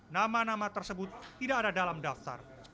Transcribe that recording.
nama nama tersebut tidak ada dalam daftar